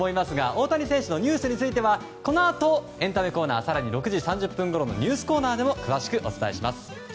大谷選手のニュースについてはこのあとエンタメコーナー更に６時３０分ごろのニュースコーナーでも詳しくお伝えします。